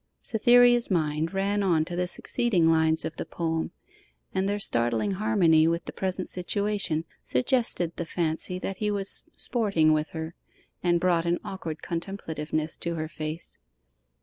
Cytherea's mind ran on to the succeeding lines of the poem, and their startling harmony with the present situation suggested the fancy that he was 'sporting' with her, and brought an awkward contemplativeness to her face.